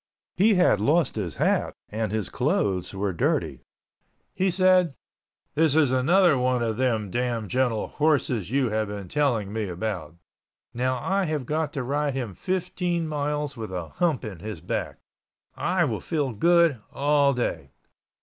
He had lost his hat and his clothes were dirty. He said, "This is another one of them damn gentle horses you have been telling me about. Now I have got to ride him fifteen miles with a hump in his back. I will feel good all day."